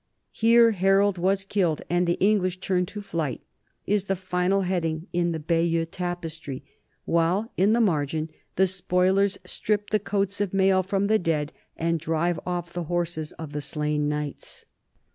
"Here Harold was killed and the English turned to flight" is the final head ing in the Bayeux Tapestry, while in the margin the spoilers strip the coats of mail from the dead and drive off the horses of the slain knights.